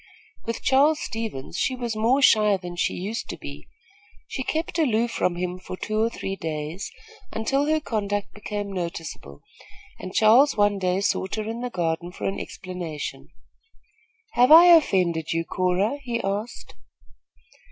With Charles Stevens, she was more shy than she used to be. She kept aloof from him for two or three days, until her conduct became noticeable, and Charles one day sought her in the garden for an explanation. "Have I offended you, Cora?" he asked.